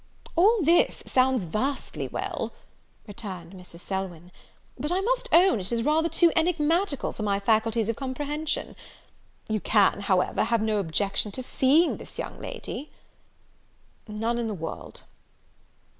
"All this sounds vastly well," returned Mrs. Selwyn; "but I must own it is rather too enigmatical for my faculties of comprehension. You can, however, have no objection to seeing this young lady." "None in the world."